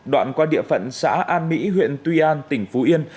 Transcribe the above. đoạn qua địa phận xã an mỹ huyện tuy an tỉnh phú yên